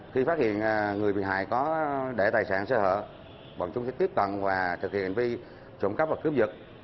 khi phát hiện người bị hại có để tài sản sơ hở bọn chúng sẽ tiếp cận và thực hiện hành vi trộm cắp và cướp giật